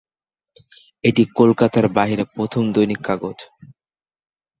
এটি কলকাতার বাইরে প্রথম দৈনিককাগজ।